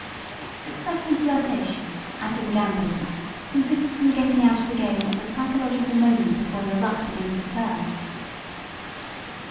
Success in flirtation, as in gambling, consists in "getting out of the game" at the psychological moment before your luck begins to turn.